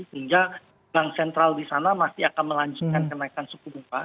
sehingga bank sentral di sana masih akan melanjutkan kenaikan suku bunga